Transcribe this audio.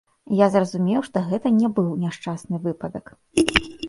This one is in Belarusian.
Я зразумеў, што гэта не быў няшчасны выпадак.